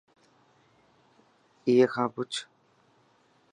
ائي کان پڇ.